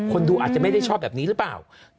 ดูอาจจะไม่ได้ชอบแบบนี้หรือเปล่า